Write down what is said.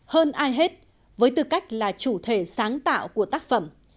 hơn ai hết với tư cách là chủ thể sáng tạo của tác phẩm